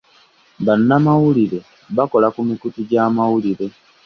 Bannamawulire bakola ku mikutu gy'amawulire.